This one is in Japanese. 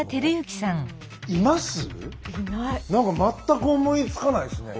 なんか全く思いつかないですね。